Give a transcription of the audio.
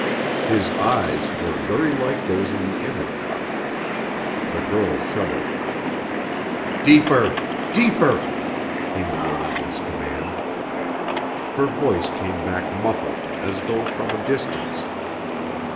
His eyes were very like those in the image. The girl shuddered. "Deeper deeper!" came the relentless command. Her voice came back muffled as though from a distance.